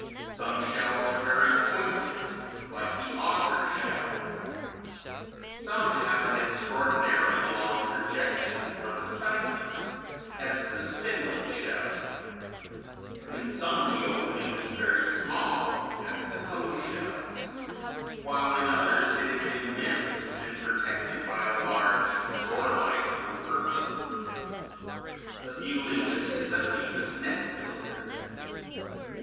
Some shells are very pointed, like the augur shell (Fig. 107). Some have an extraordinarily long projection for the siphon, as the spindle shell (Fig. 108). In some the opening is very small, as the cone shells, while in others it is immense, and protected by a large, doorlike operculum. The Bulimas is a famous nest builder.